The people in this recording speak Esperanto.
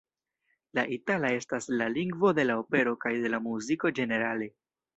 La itala estas la lingvo de la opero kaj de la muziko ĝenerale.